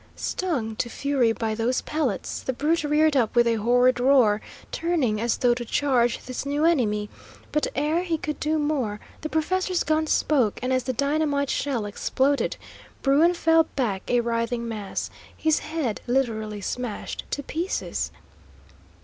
Stung to fury by those pellets, the brute reared up with a horrid roar, turning as though to charge this new enemy; but ere he could do more, the professor's gun spoke, and as the dynamite shell exploded, bruin fell back a writhing mass, his head literally smashed to pieces.